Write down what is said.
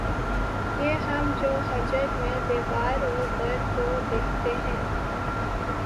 یہ ہم جو ہجر میں‘ دیوار و در کو دیکھتے ہیں